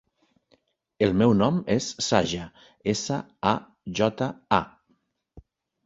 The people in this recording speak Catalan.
El meu nom és Saja: essa, a, jota, a.